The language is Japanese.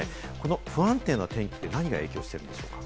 この不安定な天気、何が影響しているんでしょうか？